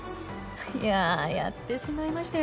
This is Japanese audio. いやあやってしまいましたよ